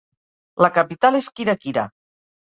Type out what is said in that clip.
La capital és Kirakira.